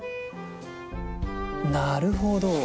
なるほど。